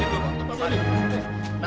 biar dia pak mir